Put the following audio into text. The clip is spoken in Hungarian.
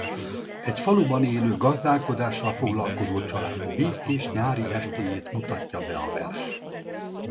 Egy faluban élő gazdálkodással foglalkozó család békés nyári estéjét mutatja be a vers.